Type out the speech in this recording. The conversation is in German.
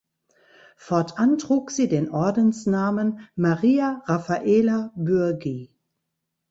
Fortan trug sie den Ordensnamen Maria Raphaela Bürgi.